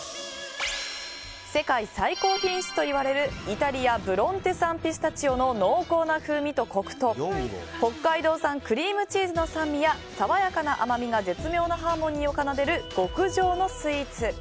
世界最高品質といわれるイタリア・ブロンテ産ピスタチオの濃厚な風味とコクと北海道産クリームチーズの酸味や爽やかな甘みが絶妙なハーモニーを奏でる極上のスイーツ。